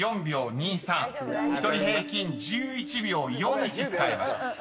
［１人平均１１秒４１使えます］